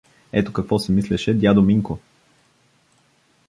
Ето какво си мислеше дядо Минко.